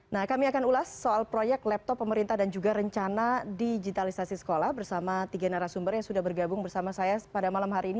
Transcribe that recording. nah kami akan ulas soal proyek laptop pemerintah dan juga rencana digitalisasi sekolah bersama tiga narasumber yang sudah bergabung bersama saya pada malam hari ini